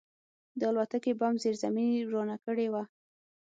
د الوتکې بم زیرزمیني ورانه کړې وه